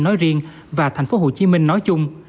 nói riêng và thành phố hồ chí minh nói chung